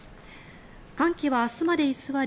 寒気は明日まで居座り